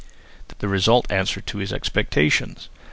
The result answered to his expectations.